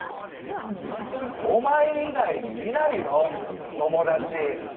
お前以外にいないの友達。